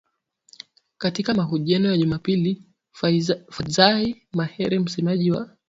Katika mahojiano ya Jumapili Fadzayi Mahere msemaji wa